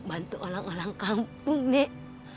mau bantu orang orang kampung nih